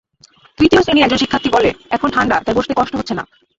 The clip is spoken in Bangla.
তৃতীয় শ্রেণির একজন শিক্ষার্থী বলে, এখন ঠান্ডা, তাই বসতে কষ্ট হচ্ছে না।